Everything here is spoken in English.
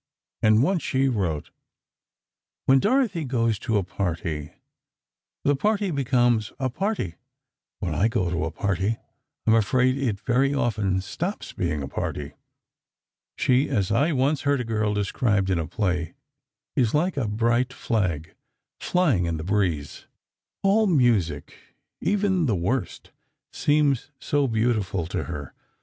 And once she wrote: "When Dorothy goes to a party, the party becomes a party: When I go to a party, I'm afraid it very often stops being a party.... She, as I once heard a girl described in a play, is like a bright flag flying in the breeze. "All music, even the worst, seems so beautiful to her.